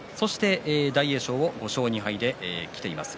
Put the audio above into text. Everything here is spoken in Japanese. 大栄翔、５勝２敗できています。